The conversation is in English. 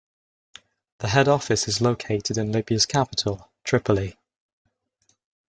The head office is located in Libya's capital Tripoli.